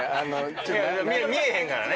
見えへんからね。